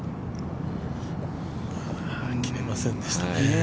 入りませんでしたね。